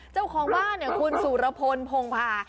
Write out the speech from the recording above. เจ้าของบ้านคุณสุรพลพงภา